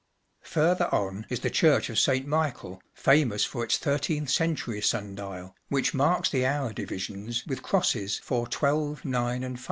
Further on is the church of St. Michael, famous for its thirteenth century sun dial, which marks the hour divisions with crosses for 12,9, and 5.